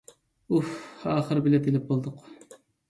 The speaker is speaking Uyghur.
ئۇھ... ئاخىرى بېلەت ئېلىپ بولدۇق.